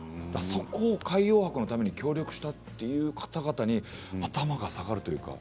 そこを海洋博のために協力したという方々に頭が下がります。